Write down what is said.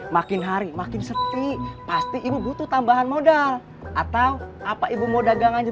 makin hari makin sepi pasti ibu butuh tambahan modal atau apa ibu mau dagangannya